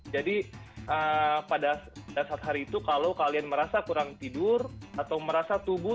jadi pada saat hari itu kalau kalian merasa kurang tidur atau merasa tubuh